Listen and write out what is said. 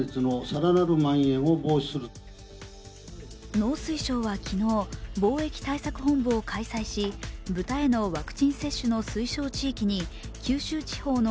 農水省は昨日、防疫対策本部を開催し、豚へのワクチン接種の推奨地域に九州地方の